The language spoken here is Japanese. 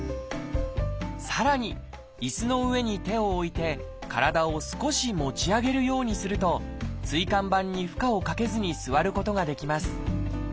さらに椅子の上に手を置いて体を少し持ち上げるようにすると椎間板に負荷をかけずに座ることができます。